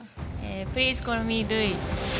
プリーズコールミールイ。